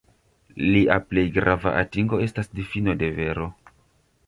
Lia plej grava atingo estas difino de vero.